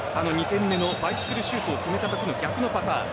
２点目のバイシクルシュートを決めたときの逆のパターン。